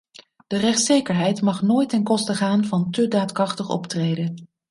De rechtszekerheid mag nooit ten koste gaan van te daadkrachtig optreden.